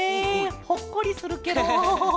ほっこりするケロ。